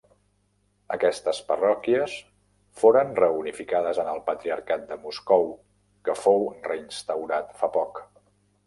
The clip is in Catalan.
Aquestes parròquies foren reunificades en el Patriarcat de Moscou que fou reinstaurat fa poc.